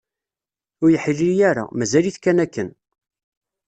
Ur yeḥli ara, mazal-it kan akken.